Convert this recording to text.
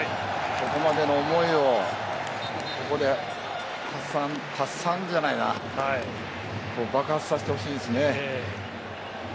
ここまでの思いをここで発散じゃないな爆発させてほしいですね。